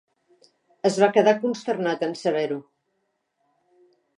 Es va quedar consternat en saber-ho.